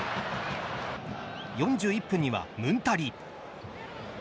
４１分にはムンタリ！